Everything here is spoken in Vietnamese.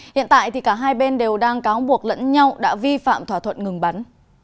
hiện tại cả hai bên đều đang cáo buộc lẫn nhau đã vi phạm thỏa thuận ngừng bắn